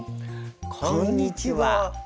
こんにちは。